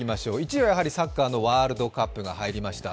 １位はやはり、サッカーのワールドカップが入りました。